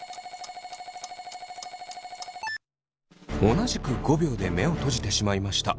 同じく５秒で目を閉じてしまいました。